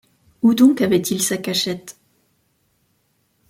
Où donc avait-il sa cachette?